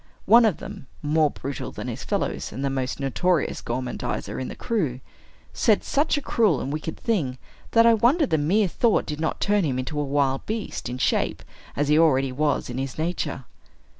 One of them (more brutal than his fellows, and the most notorious gormandizer in the crew) said such a cruel and wicked thing, that I wonder the mere thought did not turn him into a wild beast, in shape, as he already was in his nature.